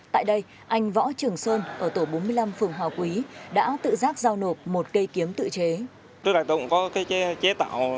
tại đây anh võ trường sơn ở tổ bốn mươi năm phường hòa quý đã tự giác giao nộp một cây kiếm tự chế